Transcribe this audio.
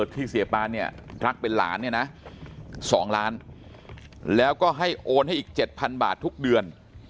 ที่เสียปานเนี่ยรักเป็นหลานเนี่ยนะ๒ล้านแล้วก็ให้โอนให้อีก๗๐๐บาททุกเดือน